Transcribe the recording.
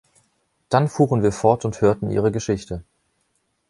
Dann fuhren wir fort und hörten ihre Geschichte.